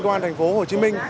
toàn thành phố hồ chí minh